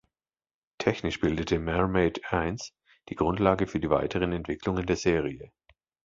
Technisch bildete "Mermaid I" die Grundlage für die weiteren Entwicklungen der Serie.